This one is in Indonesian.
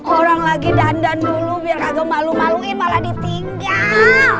orang lagi dandan dulu biar agak malu maluin malah ditinggal